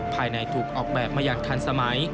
ภายในถูกออกแบบมาอย่างทันสมัย